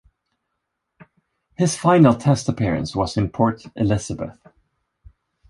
His final test appearance was in Port Elizabeth.